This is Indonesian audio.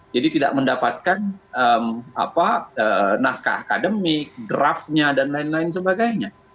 jadi tidak mendapatkan apa naskah akademik draftnya dan lain lain sebagainya